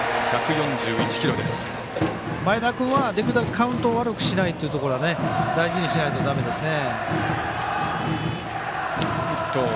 前田君は、できるだけカウントを悪くしないっていうところを大事にしないと、だめですね。